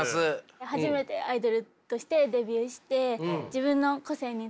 初めてアイドルとしてデビューして自分の個性について悩んでます。